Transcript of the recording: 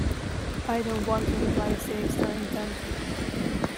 I don't want to imply a sinister intent.